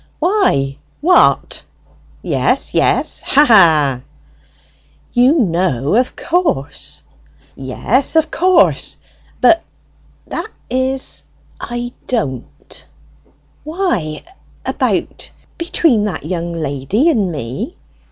"Why, what? Yes, yes; ha ha!" "You know, of course!" "Yes, of course! But that is I don't." "Why about between that young lady and me?"